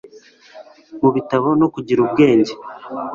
mu bitabo no kugira ubwenge